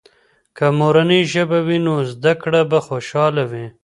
که مورنۍ ژبه وي، نو زده کړه به خوشحاله وي.